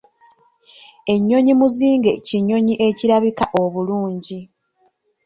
Ennyonyi muzinge kinyonyi ekirabika obulungi.